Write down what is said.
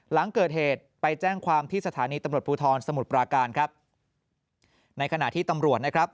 หลังเกิดเหตุไปแจ้งความที่สถานีตำรวจภูทรสมุทรปราการครับในขณะที่ตำรวจนะครับ